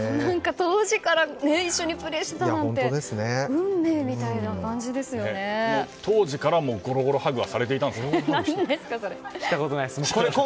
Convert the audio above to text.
当時から一緒にプレーしていたなんて当時からゴロゴロハグはしたことないです。